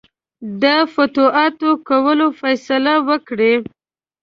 د فتوحاتو کولو فیصله وکړي.